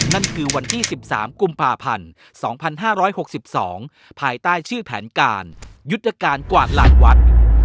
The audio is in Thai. นั่นคือวันที่๑๓กุมภาพันธ์๒๕๖๒ภายใต้ชื่อแผนการยุทธการกวาดลานวัด